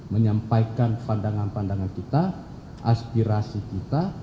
menyampaikan pandangan pandangan kita aspirasi kita